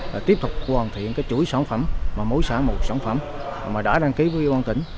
là tiếp tục hoàn thiện cái chuỗi sản phẩm và mối xã mù sản phẩm mà đã đăng ký với ủy ban tỉnh